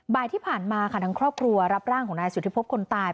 บ่ายที่ผ่านมาค่ะทางครอบครัวรับร่างของนายสุธิพบคนตาย